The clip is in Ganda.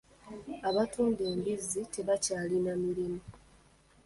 Abatunda embizzi tebakyalina mirimu.